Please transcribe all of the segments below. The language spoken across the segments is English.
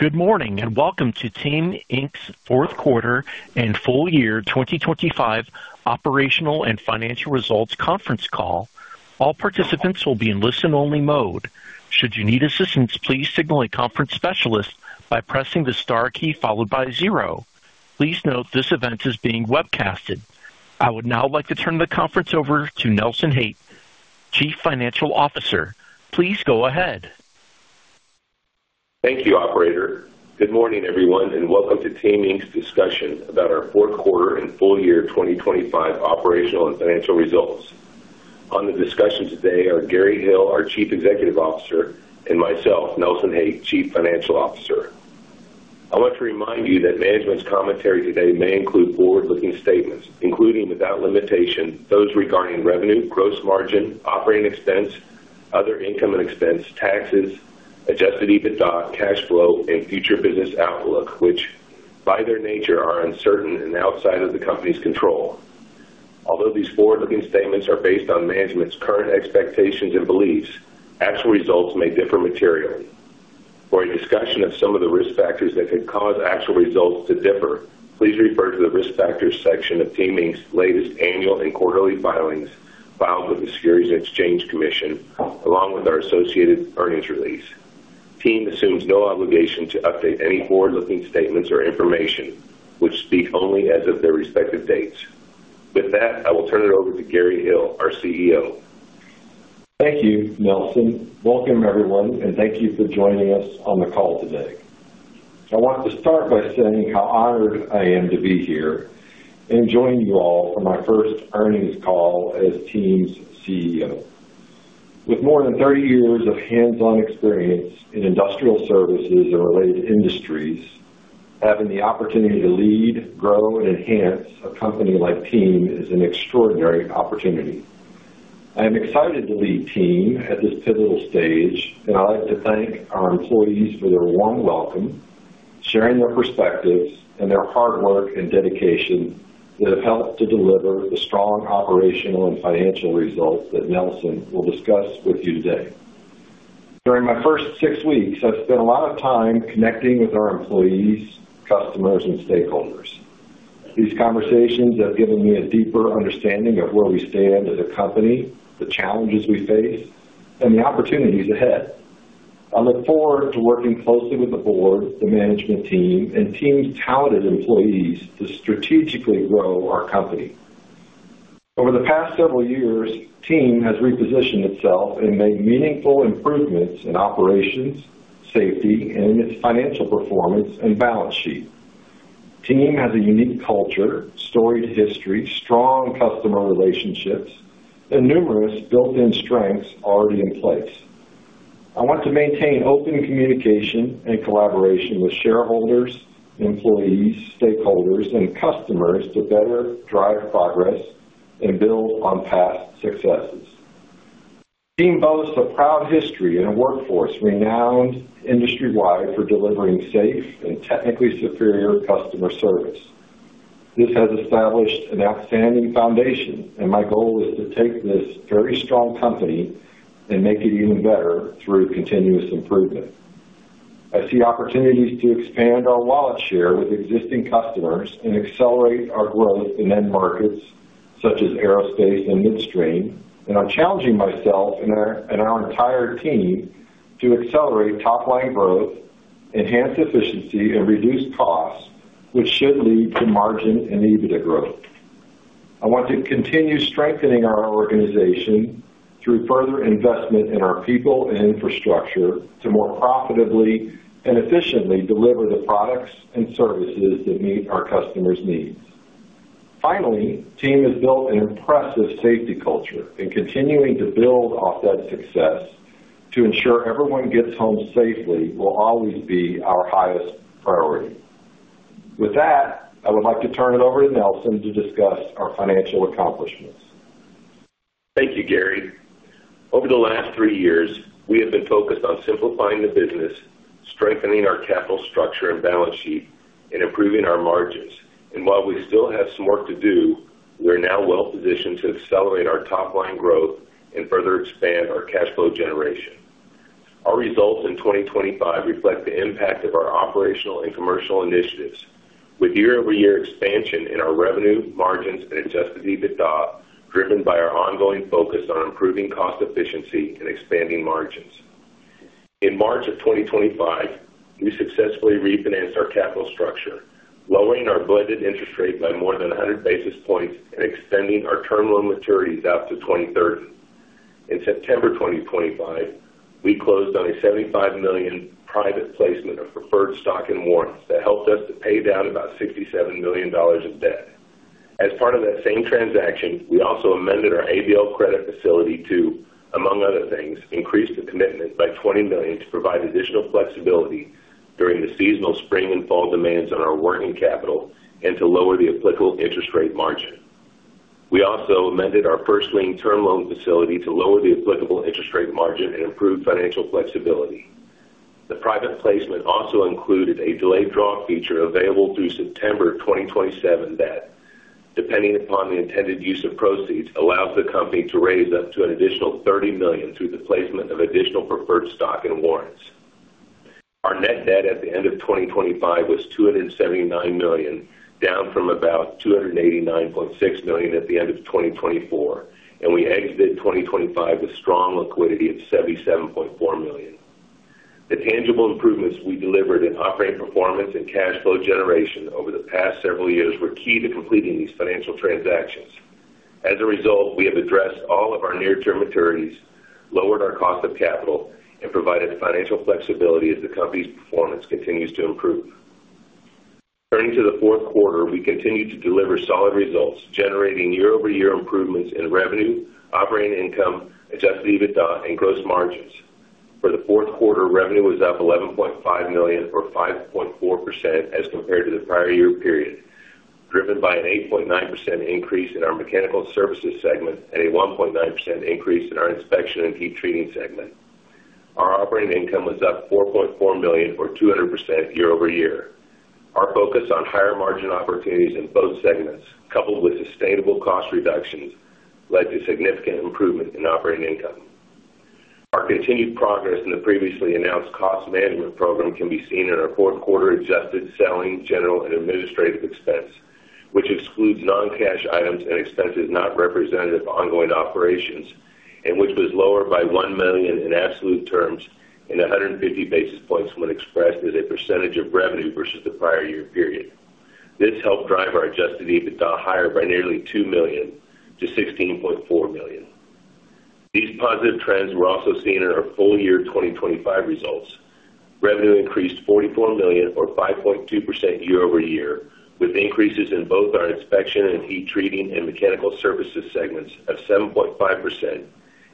Good morning, and welcome to Team, Inc.'s fourth quarter and full year 2025 operational and financial results conference call. All participants will be in listen-only mode. Should you need assistance, please signal a conference specialist by pressing the star key followed by zero. Please note this event is being webcast. I would now like to turn the conference over to Nelson Haight, Chief Financial Officer. Please go ahead. Thank you, operator. Good morning, everyone, and welcome to Team, Inc.'s discussion about our fourth quarter and full year 2025 operational and financial results. On the discussion today are Gary Hill, our Chief Executive Officer, and myself, Nelson Haight, Chief Financial Officer. I want to remind you that management's commentary today may include forward-looking statements, including without limitation, those regarding revenue, gross margin, operating expense, other income and expense, taxes, adjusted EBITDA, cash flow, and future business outlook, which by their nature are uncertain and outside of the company's control. Although these forward-looking statements are based on management's current expectations and beliefs, actual results may differ materially. For a discussion of some of the risk factors that could cause actual results to differ, please refer to the Risk Factors section of Team, Inc.'s latest annual and quarterly filings filed with the Securities and Exchange Commission, along with our associated earnings release. Team assumes no obligation to update any forward-looking statements or information, which speak only as of their respective dates. With that, I will turn it over to Gary Hill, our CEO. Thank you, Nelson. Welcome, everyone, and thank you for joining us on the call today. I want to start by saying how honored I am to be here and join you all for my first earnings call as Team's CEO. With more than 30 years of hands-on experience in industrial services and related industries, having the opportunity to lead, grow, and enhance a company like Team is an extraordinary opportunity. I am excited to lead Team at this pivotal stage, and I'd like to thank our employees for their warm welcome, sharing their perspectives, and their hard work and dedication that have helped to deliver the strong operational and financial results that Nelson will discuss with you today. During my first six weeks, I've spent a lot of time connecting with our employees, customers, and stakeholders. These conversations have given me a deeper understanding of where we stand as a company, the challenges we face, and the opportunities ahead. I look forward to working closely with the board, the management team, and Team's talented employees to strategically grow our company. Over the past several years, Team has repositioned itself and made meaningful improvements in operations, safety, and in its financial performance and balance sheet. Team has a unique culture, storied history, strong customer relationships, and numerous built-in strengths already in place. I want to maintain open communication and collaboration with shareholders, employees, stakeholders, and customers to better drive progress and build on past successes. Team boasts a proud history and a workforce renowned industry-wide for delivering safe and technically superior customer service. This has established an outstanding foundation, and my goal is to take this very strong company and make it even better through continuous improvement. I see opportunities to expand our wallet share with existing customers and accelerate our growth in end markets such as aerospace and midstream, and I'm challenging myself and our entire team to accelerate top-line growth, enhance efficiency, and reduce costs, which should lead to margin and EBITDA growth. I want to continue strengthening our organization through further investment in our people and infrastructure to more profitably and efficiently deliver the products and services that meet our customers' needs. Finally, Team has built an impressive safety culture and continuing to build off that success to ensure everyone gets home safely will always be our highest priority. With that, I would like to turn it over to Nelson Haight to discuss our financial accomplishments. Thank you, Gary. Over the last three years, we have been focused on simplifying the business, strengthening our capital structure and balance sheet, and improving our margins. While we still have some work to do, we're now well positioned to accelerate our top-line growth and further expand our cash flow generation. Our results in 2025 reflect the impact of our operational and commercial initiatives with year-over-year expansion in our revenue, margins, and adjusted EBITDA, driven by our ongoing focus on improving cost efficiency and expanding margins. In March of 2025, we successfully refinanced our capital structure, lowering our blended interest rate by more than 100 basis points and extending our term loan maturities out to 2030. In September 2025, we closed on a $75 million private placement of preferred stock and warrants that helped us to pay down about $67 million of debt. As part of that same transaction, we also amended our ABL credit facility to, among other things, increase the commitment by $20 million to provide additional flexibility during the seasonal spring and fall demands on our working capital and to lower the applicable interest rate margin. We also amended our first lien term loan facility to lower the applicable interest rate margin and improve financial flexibility. The private placement also included a delayed draw feature available through September 2027. Depending upon the intended use of proceeds allows the company to raise up to an additional $30 million through the placement of additional preferred stock and warrants. Our net debt at the end of 2025 was $279 million, down from about $289.6 million at the end of 2024, and we exited 2025 with strong liquidity of $77.4 million. The tangible improvements we delivered in operating performance and cash flow generation over the past several years were key to completing these financial transactions. As a result, we have addressed all of our near-term maturities, lowered our cost of capital, and provided the financial flexibility as the company's performance continues to improve. Turning to the fourth quarter, we continued to deliver solid results, generating year-over-year improvements in revenue, operating income, adjusted EBITDA and gross margins. For the fourth quarter, revenue was up $11.5 million or 5.4% as compared to the prior year period, driven by an 8.9% increase in our Mechanical Services segment and a 1.9% increase in our Inspection and Heat Treating segment. Our operating income was up $4.4 million or 200% year-over-year. Our focus on higher margin opportunities in both segments, coupled with sustainable cost reductions, led to significant improvement in operating income. Our continued progress in the previously announced cost management program can be seen in our fourth quarter adjusted selling, general and administrative expense, which excludes non-cash items and expenses not representative of ongoing operations, and which was lower by $1 million in absolute terms and 150 basis points when expressed as a percentage of revenue versus the prior year period. This helped drive our adjusted EBITDA higher by nearly $2 million to $16.4 million. These positive trends were also seen in our full year 2025 results. Revenue increased $44 million or 5.2% year-over-year, with increases in both our Inspection and Heat Treating and Mechanical Services segments of 7.5%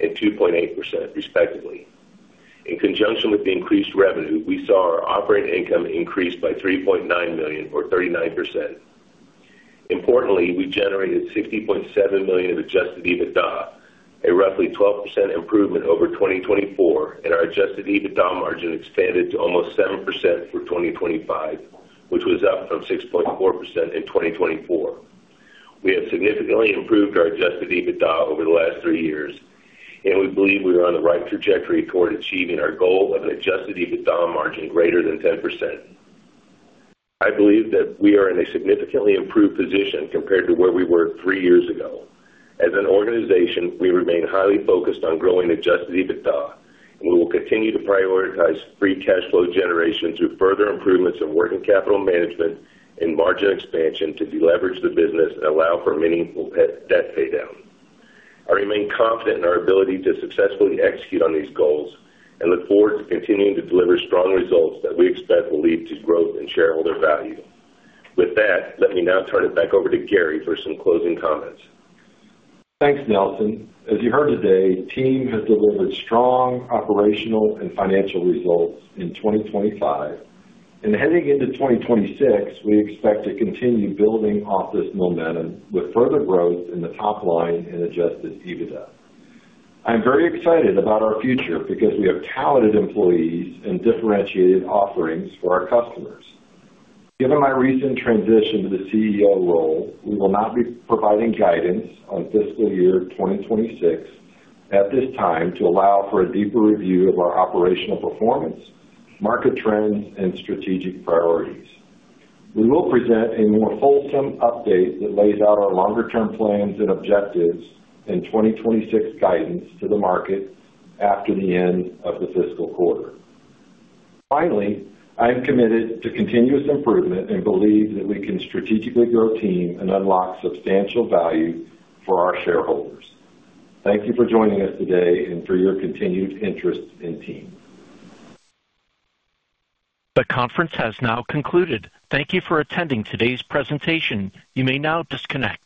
and 2.8% respectively. In conjunction with the increased revenue, we saw our operating income increase by $3.9 million or 39%. Importantly, we generated $60.7 million of adjusted EBITDA, a roughly 12% improvement over 2024, and our adjusted EBITDA margin expanded to almost 7% for 2025, which was up from 6.4% in 2024. We have significantly improved our adjusted EBITDA over the last three years, and we believe we are on the right trajectory toward achieving our goal of an adjusted EBITDA margin greater than 10%. I believe that we are in a significantly improved position compared to where we were three years ago. As an organization, we remain highly focused on growing adjusted EBITDA, and we will continue to prioritize free cash flow generation through further improvements in working capital management and margin expansion to deleverage the business and allow for meaningful debt paydown. I remain confident in our ability to successfully execute on these goals and look forward to continuing to deliver strong results that we expect will lead to growth in shareholder value. With that, let me now turn it back over to Gary for some closing comments. Thanks, Nelson. As you heard today, Team has delivered strong operational and financial results in 2025. Heading into 2026, we expect to continue building off this momentum with further growth in the top line and adjusted EBITDA. I'm very excited about our future because we have talented employees and differentiated offerings for our customers. Given my recent transition to the CEO role, we will not be providing guidance on fiscal year 2026 at this time to allow for a deeper review of our operational performance, market trends and strategic priorities. We will present a more fulsome update that lays out our longer term plans and objectives in 2026 guidance to the market after the end of the fiscal quarter. Finally, I am committed to continuous improvement and believe that we can strategically grow Team and unlock substantial value for our shareholders. Thank you for joining us today and for your continued interest in Team. The conference has now concluded. Thank you for attending today's presentation. You may now disconnect.